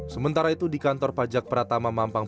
sementara itu di kantor pajak pratama mampang